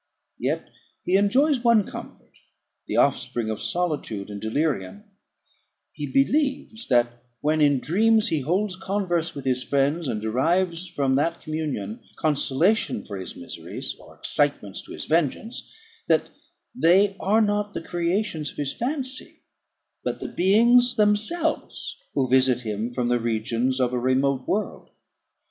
Yet he enjoys one comfort, the offspring of solitude and delirium: he believes, that, when in dreams he holds converse with his friends, and derives from that communion consolation for his miseries, or excitements to his vengeance, that they are not the creations of his fancy, but the beings themselves who visit him from the regions of a remote world.